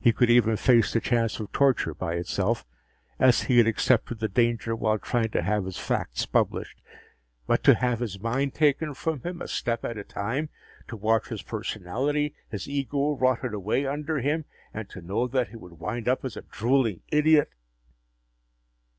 He could even face the chance of torture by itself, as he had accepted the danger while trying to have his facts published. But to have his mind taken from him, a step at a time to watch his personality, his ego, rotted away under him and to know that he would wind up as a drooling idiot....